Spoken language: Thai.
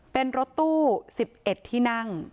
เป็นรถตู้๑๑ที่นั่ง